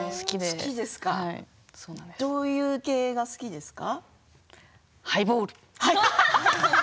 どういう系が好きですか？